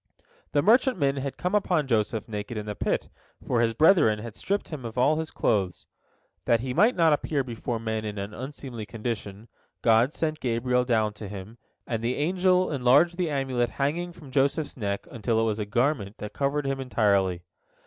The merchantmen had come upon Joseph naked in the pit, for his brethren had stripped him of all his clothes. That he might not appear before men in an unseemly condition, God sent Gabriel down to him, and the angel enlarged the amulet banging from Joseph's neck until it was a garment that covered him entirely.